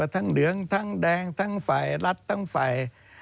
ทั้งเหลืองทั้งแดงทั้งไฟรัดทั้งไฟ